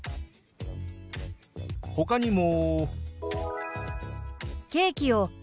ほかにも。